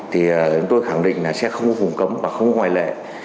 thì chúng tôi khẳng định là sẽ không có vùng cấm và không có ngoại lệ